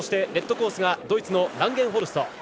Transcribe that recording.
レッドコースがドイツのランゲンホルスト。